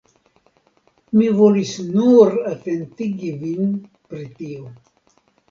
Mi volis nur atentigi vin pri tio.